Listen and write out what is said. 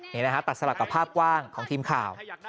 นี่นะฮะตัดสลักกับภาพกว้างของทีมข่าว